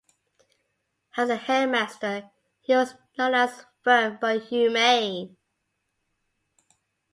As a headmaster he was known as firm but humane.